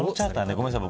ごめんなさい。